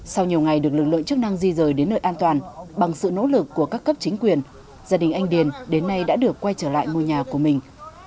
sau nhiều ngày được lực lượng chức năng di rời đến nơi an toàn bằng sự nỗ lực của các cấp chính quyền gia đình anh điền đến nay đã được quay trở lại ngôi nhà của mình